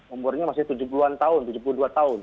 umurnya masih tujuh puluh an tahun tujuh puluh dua tahun